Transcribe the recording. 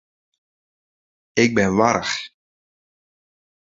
Ik bin warch.